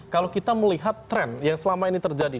kalau kita melihat tren yang selama ini terjadi